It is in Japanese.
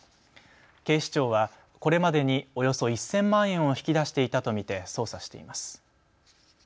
警視庁はこれまでにおよそ１０００万円を引き出していたと見て捜査しています。